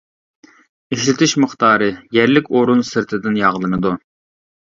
ئىشلىتىش مىقدارى: يەرلىك ئورۇن سىرتىدىن ياغلىنىدۇ.